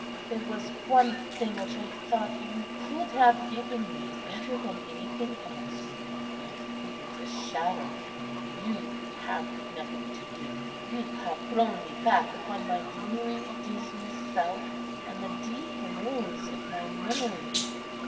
There was one thing which I thought you could have given me, better than anything else; but it is a shadow. You have nothing to give. You have thrown me back upon my dreary, dismal self, and the deep wounds of my memory....